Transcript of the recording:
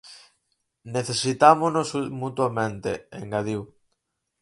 Necesitámonos mutuamente, engadiu.